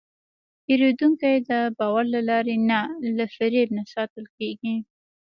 پیرودونکی د باور له لارې نه، له فریب نه ساتل کېږي.